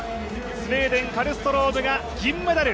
スウェーデン、カルストロームが銀メダル。